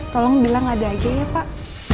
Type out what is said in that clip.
tolong bilang ada aja ya pak